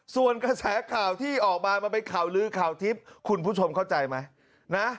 ส่วนกระแสข่าวที่ออกมามันเป็นข่าวลื้อข่าวทิพย์คุณผู้ชมเข้าใจไหมนะ